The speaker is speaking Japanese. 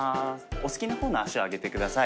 お好きな方の脚を上げてください。